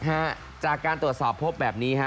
ฮะจากการตรวจสอบพบแบบนี้ฮะ